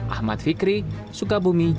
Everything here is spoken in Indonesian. ahmad fikri sukabumi